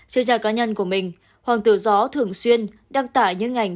trên nhà cá nhân của mình hoàng tử gió thường xuyên đăng tải những ngành